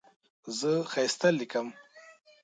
زه ښایسته لیکم.